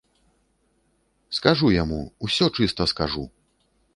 Скажу яму, усё чыста скажу!